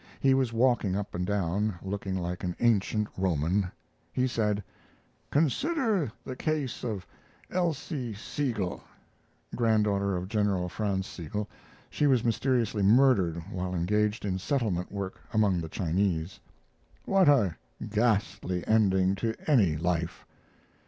He was walking up and down, looking like an ancient Roman. He said: "Consider the case of Elsie Sigel [Granddaughter of Gen. Franz Sigel. She was mysteriously murdered while engaged in settlement work among the Chinese.] what a ghastly ending to any life!"